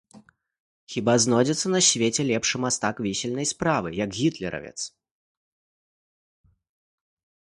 Хіба знойдзецца на свеце лепшы мастак вісельнай справы, як гітлеравец?